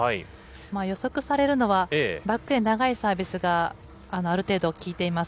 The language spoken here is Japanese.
予測されるのは、バックへ長いサービスがある程度効いています。